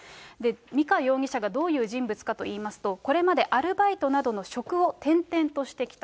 美香容疑者がどういう人物かといいますと、これまでアルバイトなどの職を転々としてきた。